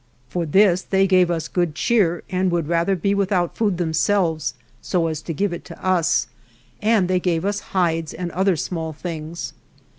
For this they gave us good cheer, and would rather be without food themselves so as to give it to us, and they gave us hides and other small things.